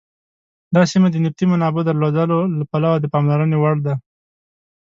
دا سیمه د نفتي منابعو درلودلو له پلوه د پاملرنې وړ ده.